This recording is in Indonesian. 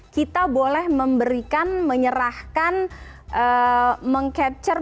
kita boleh memberikan menyerahkan meng capture